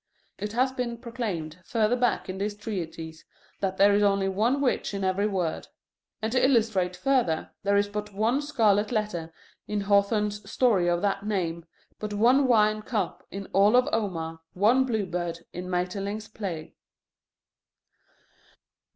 It has been proclaimed further back in this treatise that there is only one witch in every wood. And to illustrate further, there is but one scarlet letter in Hawthorne's story of that name, but one wine cup in all of Omar, one Bluebird in Maeterlinck's play.